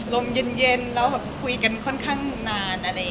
รมเย็นแล้วคุยกันค่อนข้างนาน